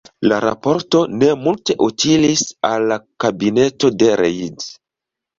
La raporto ne multe utilis al la kabineto de Reid.